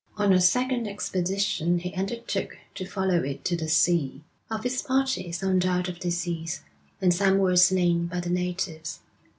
On a second expedition he undertook to follow it to the sea. Of his party some died of disease, and some were slain by the natives.